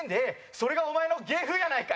「それがお前の芸風やないかい」